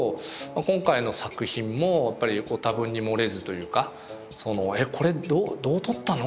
今回の作品もやっぱり多分に漏れずというかこれどう撮ったの？